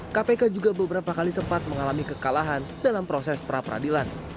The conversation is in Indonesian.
kpk juga beberapa kali sempat mengalami kekalahan dalam proses pra peradilan